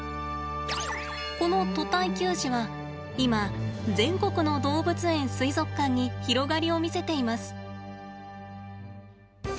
この、と体給餌は今全国の動物園、水族館に広がりを見せています。